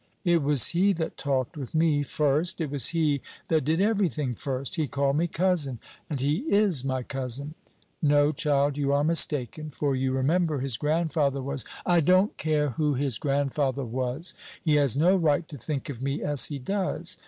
It was he that talked with me first. It was he that did every thing first. He called me cousin and he is my cousin." "No, child, you are mistaken; for you remember his grandfather was " "I don't care who his grandfather was; he has no right to think of me as he does."